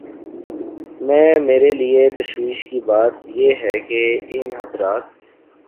میں میرے لیے تشویش کی بات یہ ہے کہ ان حضرات